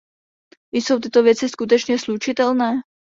Jsou tyto věci skutečně slučitelné?